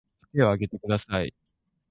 手を挙げてください